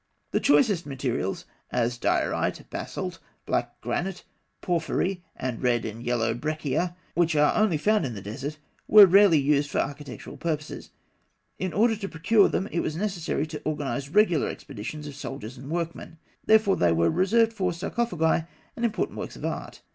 The choicest materials, as diorite, basalt, black granite, porphyry, and red and yellow breccia, which are only found in the desert, were rarely used for architectural purposes. In order to procure them, it was necessary to organise regular expeditions of soldiers and workmen; therefore they were reserved for sarcophagi and important works of art.